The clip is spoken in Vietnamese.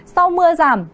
sau mưa giảm